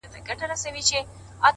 د کسمیر لوري د کابل او د ګواه لوري.